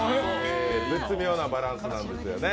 絶妙なバランスなんですよね。